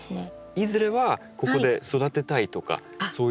いずれはここで育てたいとかそういう感じですか？